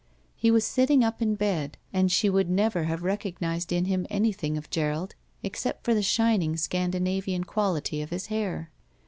He was sitting up in bed, and she would never have recognized in him anything of Gerald except for the shining Scandinavian quality of his hair.